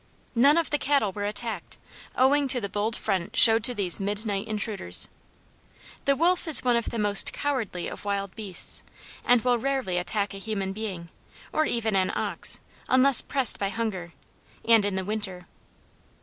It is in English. None of the cattle were attacked, owing to the bold front showed to these midnight intruders. The wolf is one of the most cowardly of wild beasts, and will rarely attack a human being, or even an ox, unless pressed by hunger, and in the winter.